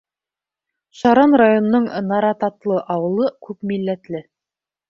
Шаран районының Нарататлы ауылы күп милләтле.